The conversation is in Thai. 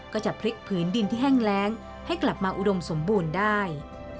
ก็จะพลิกผืนดินที่แห้งแรงให้กลับมาอุดมสมบูรณ์ได้